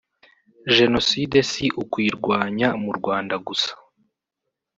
“Jenoside si ukuyirwanya mu Rwanda gusa